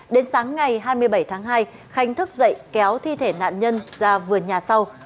đến sáng ngày hai mươi bảy tháng hai khanh thức dậy kéo thi thể nạn nhân ra vườn nhà sau